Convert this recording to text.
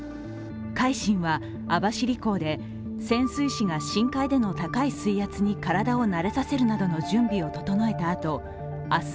「海進」は網走港で潜水士が深海での高い水圧に体を慣れさせるなどの準備を整えたあと明日